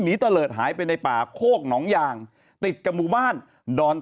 ไม่ได้พี่ขายอาหาร